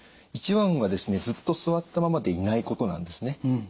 一番はですねずっと座ったままでいないことなんですね。